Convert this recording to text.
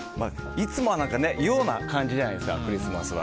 いつもは洋な感じじゃないですかクリスマスは。